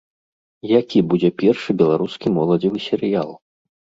Які будзе першы беларускі моладзевы серыял?